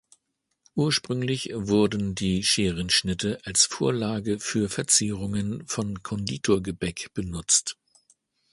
Ursprünglich wurden die Scherenschnitte als Vorlage für Verzierungen von Konditor-Gebäck benutzt.